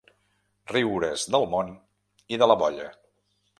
Riure's del món i de la bolla.